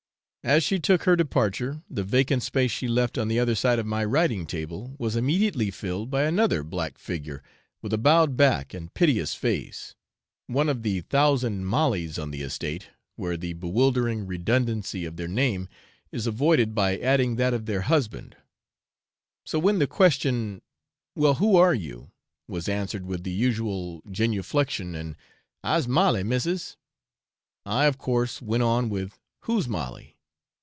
As she took her departure the vacant space she left on the other side of my writing table was immediately filled by another black figure with a bowed back and piteous face, one of the thousand 'Mollies' on the estate, where the bewildering redundancy of their name is avoided by adding that of their husband; so when the question, 'Well, who are you?' was answered with the usual genuflexion, and 'I'se Molly, missis!' I, of course, went on with 'whose Molly?'